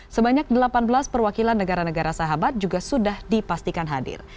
sebanyak delapan belas perwakilan negara negara sahabat juga sudah dipastikan hadir